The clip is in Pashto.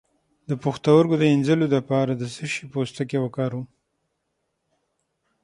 د پښتورګو د مینځلو لپاره د څه شي پوستکی وکاروم؟